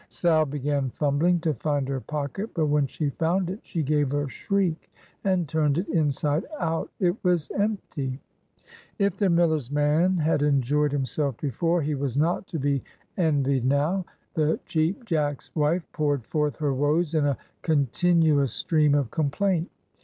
Sal began fumbling to find her pocket, but when she found it, she gave a shriek, and turned it inside out. It was empty! If the miller's man had enjoyed himself before, he was not to be envied now. The Cheap Jack's wife poured forth her woes in a continuous stream of complaint.